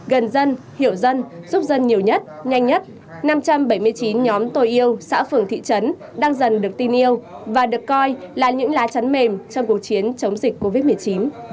gần dân hiểu dân giúp dân nhiều nhất nhanh nhất năm trăm bảy mươi chín nhóm tôi yêu xã phường thị trấn đang dần được tin yêu và được coi là những lá chắn mềm trong cuộc chiến chống dịch covid một mươi chín